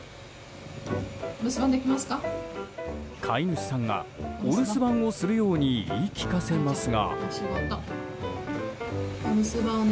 飼い主さんがお留守番をするように言い聞かせますが。